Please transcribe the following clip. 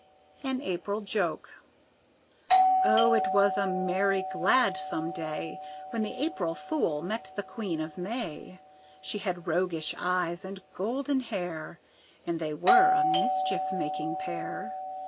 An April Joke Oh, it was a merry, gladsome day, When the April Fool met the Queen of May; She had roguish eyes and golden hair, And they were a mischief making pair.